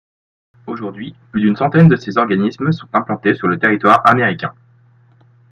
Aujourd’hui, plus d’une centaine de ces organismes sont implantés sur le territoire américain.